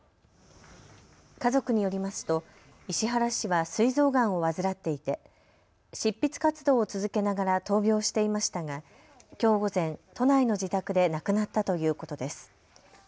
家族によりますと、石原氏はすい臓がんを患っていて執筆活動を続けながら闘病していましたがきょう午前、都内の自宅で亡くなったということです。